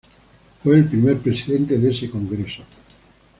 Fue el primer presidente de ese Congreso.